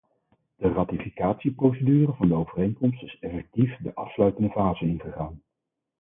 De ratificatieprocedure van de overeenkomst is effectief de afsluitende fase ingegaan.